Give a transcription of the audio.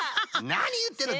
なにいってるの！